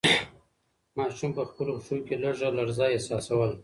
ماشوم په خپلو پښو کې لږه لړزه احساسوله.